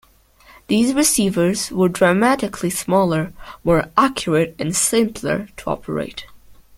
These receivers were dramatically smaller, more accurate, and simpler to operate.